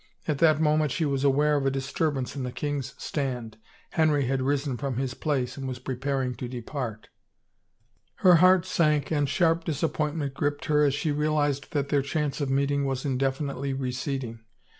At that moment she was aware of a disturbance in the king's stand; Henry had risen from his place and was preparing to depart. Her heart sank and sharp disappointment gripped her as she realized that their chance of meeting was in definitely receding.